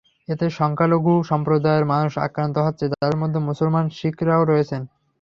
এতে সংখ্যালঘু সম্প্রদায়ের মানুষ আক্রান্ত হচ্ছে, যাদের মধ্যে মুসলমান, শিখরাও রয়েছেন।